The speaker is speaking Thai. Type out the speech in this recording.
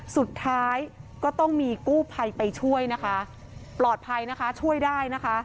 สุดท้ายก็ต้องมีกู้ภัยไปช่วยนะคะปลอดภัยนะคะช่วยได้นะคะ